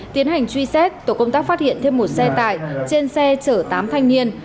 tiến hành truy xét tổ công tác phát hiện thêm một xe tải trên xe chở tám thanh niên